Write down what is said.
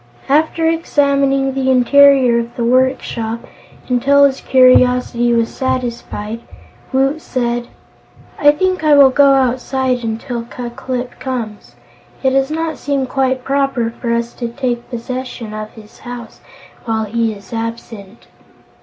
After examining the interior of the workshop until his curiosity was satisfied, Woot said: "I think I will go outside until Ku Klip comes. It does not seem quite proper for us to take possession of his house while he is absent."